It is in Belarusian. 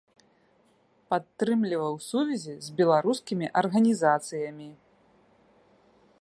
Падтрымліваў сувязі з беларускімі арганізацыямі.